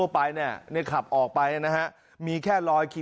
ว่าให้ผู้บริหารติดกล้องวงจรปิด